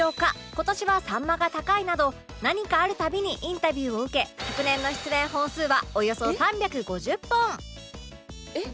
「今年はサンマが高い」など何かあるたびにインタビューを受け昨年の出演本数はおよそ３５０本えっ！